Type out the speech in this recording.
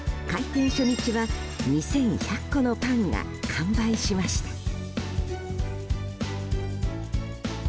開店初日は２１００個のパンが完売しました。